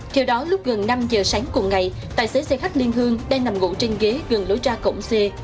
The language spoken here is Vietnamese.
theo đó lúc gần năm giờ sáng cùng ngày tài xế xe khách liên hương đang nằm ngủ trên ghế gần lối ra cổng c